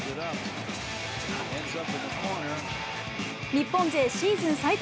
日本勢シーズン最多